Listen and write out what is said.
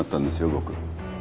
僕。